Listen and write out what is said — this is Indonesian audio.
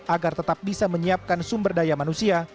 agar tetap bisa menyiapkan sumber daya manusia